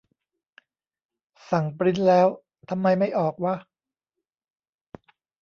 สั่งปริ้นท์แล้วทำไมไม่ออกวะ